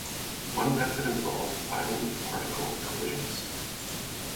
One method involves violent particle collisions.